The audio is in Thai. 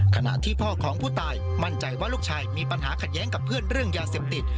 ขณะที่พ่อของผู้ตายมั่นใจว่าลูกชายมีปัญหาขัดแย้งกับเพื่อนเรื่องยาเสพติด